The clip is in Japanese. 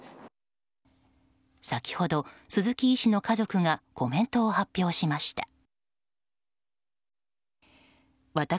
先ほど、鈴木医師の家族がコメントを発表しました。